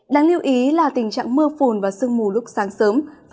đáng lưu ý là tình trạng mưa phùn và sương mù lúc sáng sớm